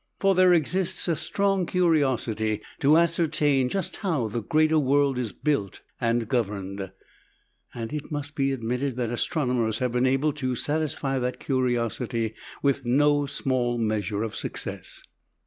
For there exists a strong curiosity to ascertain just how the greater world is built and governed; and it must be admitted that astronomers have been able to satisfy that curiosity with no small measure of success.